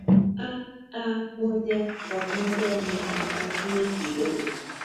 aa moja kwa moja niangazie kidogo